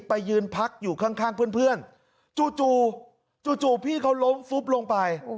ไปยืนพักอยู่ข้างเพื่อนจู่จู่พี่เขาล้มฟุบลงไป